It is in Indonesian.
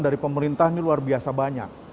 dari pemerintah ini luar biasa banyak